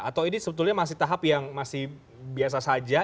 atau ini sebetulnya masih tahap yang masih biasa saja